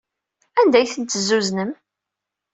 Anda ay tent-tezzuznem?